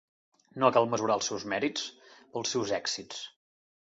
No cal mesurar els seus mèrits pels seus èxits.